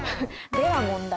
では問題。